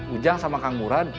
ujang sama kang murad